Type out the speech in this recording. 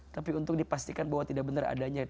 tapi untuk dipastikan bahwa tidak benar adanya